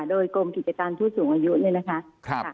โดยกรมกิจการที่สูงอายุเลยนะคะ